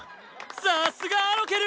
さっすがアロケル！